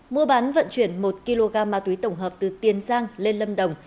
mua bán vận chuyển một kg ma túy tổng hợp từ tiên giang lên lâm đông